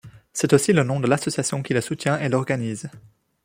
C'est aussi le nom de l'association qui le soutient et l'organise.